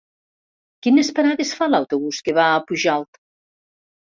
Quines parades fa l'autobús que va a Pujalt?